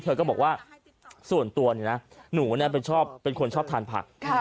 เธอก็บอกว่าส่วนตัวเนี้ยนะหนูเนี้ยเป็นชอบเป็นคนชอบทานผักค่ะ